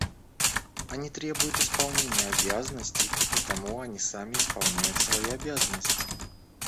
Они требуют исполнения обязанностей, и потому они сами исполняют свои обязанности.